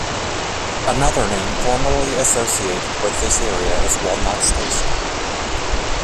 Another name formerly associated with the area is "Walnut Station".